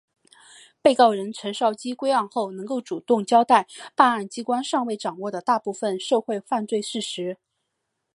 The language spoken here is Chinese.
被告人陈绍基归案后能够主动交代办案机关尚未掌握的大部分受贿犯罪事实。